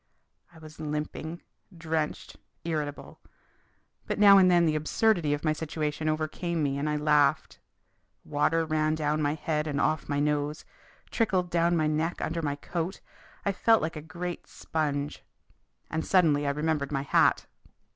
I was limping, drenched, irritable. But now and then the absurdity of my situation overcame me and I laughed. Water ran down my head and off my nose, trickled down my neck under my coat. I felt like a great sponge. And suddenly I remembered my hat.